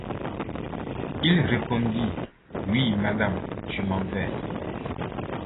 Il répondit: — Oui, madame, je m’en vais.